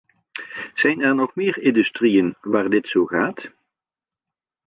Zijn er nog meer industrieën waar dit zo gaat?